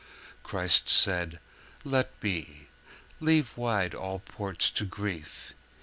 Christ said 'Let be: leave wide All ports to grief!